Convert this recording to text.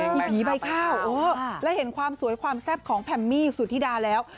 ผีใบข้าวและเห็นความสวยความแซ่บของแพมมี่สุธิดาแล้ว